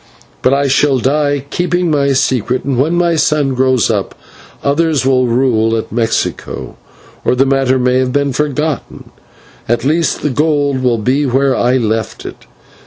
"'But I shall die keeping my secret, and when my son grows up others may rule at Mexico, or the matter may have been forgotten: at least the gold will be where I left it.